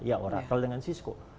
ya oracle dengan cisco